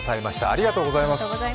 ありがとうございます。